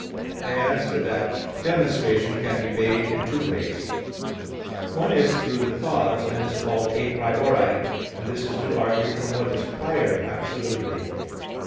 I answer that, Demonstration can be made in two ways: One is through the cause, and is called a priori, and this is to argue from what is prior absolutely.